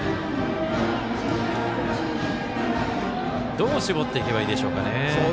どう絞っていけばいいでしょうか。